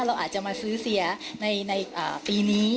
เราอาจจะมาซื้อเสียในปีนี้